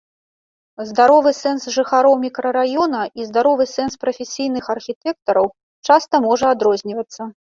Здаровы сэнс жыхароў мікрараёна і здаровы сэнс прафесійных архітэктараў часта можа адрознівацца.